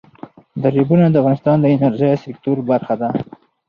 دریابونه د افغانستان د انرژۍ سکتور برخه ده.